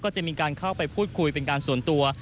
ก็จะมีการเข้าไปพูดคุยเป็นการส่วนตัว